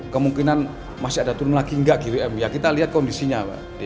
kemungkinan masih ada turun lagi nggak gwm ya kita lihat kondisinya